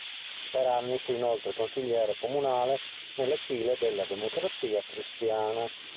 Per anni fu inoltre consigliere comunale nelle file della Democrazia Cristiana.